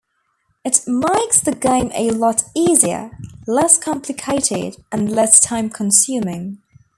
It makes the game a lot easier, less complicated, and less time consuming.